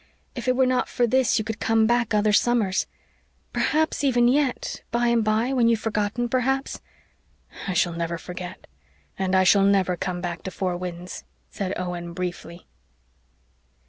If it were not for this you could come back other summers. Perhaps, even yet by and by when you've forgotten, perhaps " "I shall never forget and I shall never come back to Four Winds," said Owen briefly.